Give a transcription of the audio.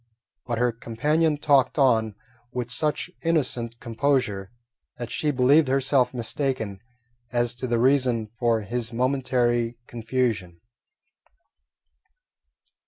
But her companion talked on with such innocent composure that she believed herself mistaken as to the reason for his momentary confusion.